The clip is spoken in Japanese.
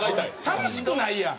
楽しくないやん！